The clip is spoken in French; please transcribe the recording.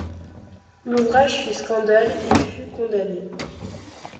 L'ouvrage fit scandale et fut condamné.